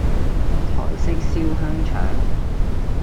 台式燒香腸